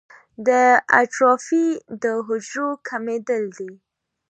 د اټروفي د حجرو کمېدل دي.